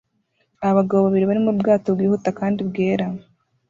Abagabo babiri bari mubwato bwihuta kandi bwera